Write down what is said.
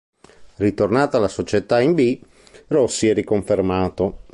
Ritornata la società in B, Rossi è riconfermato.